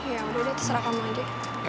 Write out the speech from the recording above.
ya udah udah terserah kamu aja